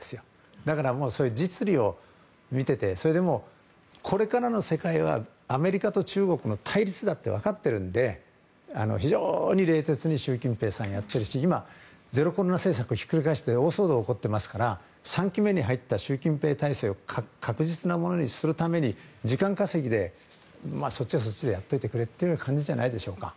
だから、そういう実利を見ててこれからの世界はアメリカと中国の対立だって分かっているので非常に冷徹に習近平さんはやっているし今、ゼロコロナ政策をひっくり返して大騒動が起こってますから３期目に入った習近平体制を確実なものにするために時間稼ぎで、そっちはそっちでやっていてくれという感じじゃないでしょうか。